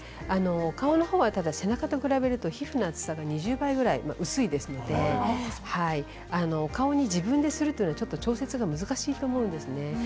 顔は背中とかに比べると皮膚の厚さが２０倍ぐらい薄いですので顔に自分でするというのは調節が難しいと思うんですね。